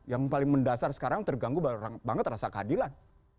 yang paling mendasar sekarang terganggu banget rasa keadilan